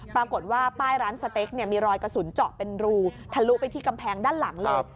ปรากฏว่าป้ายร้านสเต็กมีรอยกระสุนเจาะเป็นรูทะลุไปที่กำแพงด้านหลังเลย